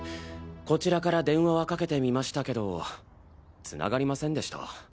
こちらから電話はかけてみましたけどつながりませんでした。